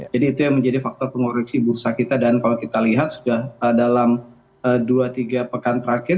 jadi itu yang menjadi faktor pengoreksi bursa kita dan kalau kita lihat sudah dalam dua tiga pekan terakhir